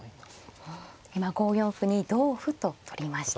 今５四歩に同歩と取りました。